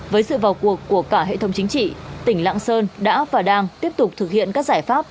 với sự vào cuộc của cả hệ thống chính trị tỉnh lạng sơn đã và đang tiếp tục thực hiện các giải pháp